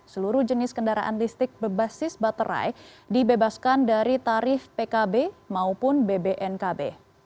seluruh jenis kendaraan listrik berbasis baterai dibebaskan dari tarif pkb maupun bbnkb